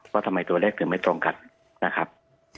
ว่าทำไมตัวเลขถึงไม่ตรงกันนะครับ